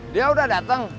dia udah datang